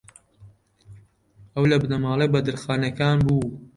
ئەو لە بنەماڵەی بەدرخانییەکان بوو